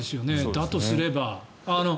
だとすれば。